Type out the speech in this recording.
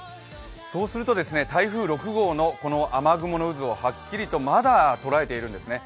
そうすると台風６号の雨雲の渦をはっきりとまだ捉えているんですね。